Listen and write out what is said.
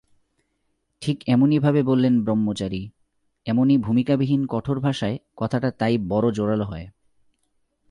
ঠিক এমনিভাবেই বলেন ব্রহ্মচারী, এমনি ভূমিকাবিহীন কঠোর ভাষায় কথাটা তাই বড় জোরালো হয়।